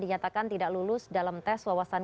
dinyatakan tidak lulus dalam tes wawasan